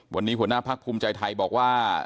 วันนี้หัวหน้าพักภูมิใจไทยบอกว่า